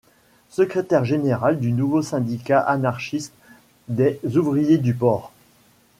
Secrétaire général du nouveau syndicat anarchiste des ouvriers du port.